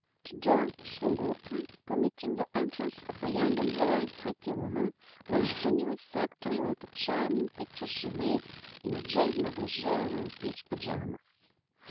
The door swung open, permitting the entrance of a young and very pretty woman, one who knew exactly what a charming picture she made in jade negligee over peach pajamas.